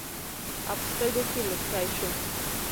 او پۀ سترګو کښې مسکے شو